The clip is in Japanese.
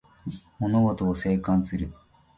物事を静観する